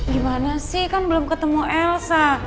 gimana sih kan belum ketemu elsa